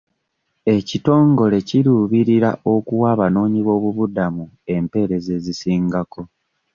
Ekitongole kiruubirira okuwa abanoonyi b'obubudamu empeereza ezisingako.